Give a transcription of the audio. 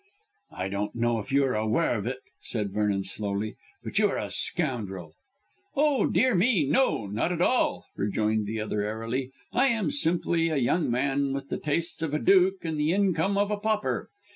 "I don't know if you are aware of it," said Vernon slowly, "but you are a scoundrel." "Oh, dear me, no; not at all," rejoined the other airily, "I am simply a young man with the tastes of a duke and the income of a pauper.